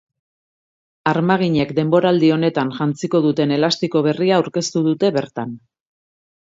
Armaginek denboraldi honetan jantziko duten elastiko berria aurkeztu dute bertan.